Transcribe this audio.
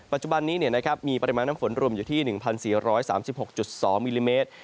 ปัจจุบันนี้มีปริมาณน้ำฝนรวมอยู่ที่๑๔๓๖๒มิลลิเมตร